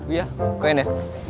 iya keren ya